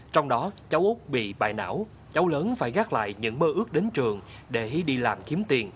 trong đó cháu úc bị bại não cháu lớn phải gác lại những mơ ước đến trường để hí đi làm kiếm tiền